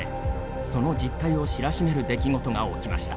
その実態を知らしめる出来事が起きました。